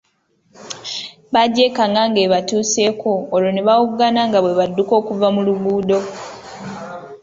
Bagyekanga nga ebatuuseeko olwo ne bawoggana nga bwe badduka okuva mu luguudo.